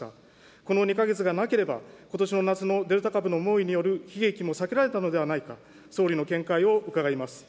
この２か月がなければ、ことしの夏のデルタ株の猛威による悲劇も避けられたのではないか、総理の見解を伺います。